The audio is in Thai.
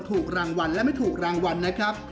ถูกรางวัลและไม่ถูกรางวัลนะครับ